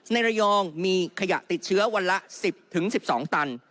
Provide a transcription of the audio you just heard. ในระยองมีขยะติดเชื้อวันละ๑๐๑๒ตัน